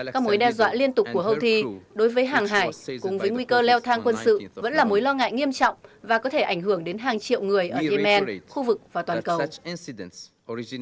các mối đe dọa liên tục của houthi đối với hàng hải cùng với nguy cơ leo thang quân sự vẫn là mối lo ngại nghiêm trọng và có thể ảnh hưởng đến hàng triệu người ở yemen khu vực và toàn cầu